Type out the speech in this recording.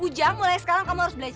ujang mulai sekarang kamu harus belajar